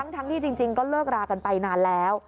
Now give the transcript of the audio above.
ทั้งที่จริงก็เลิกรากันไปนานแล้ว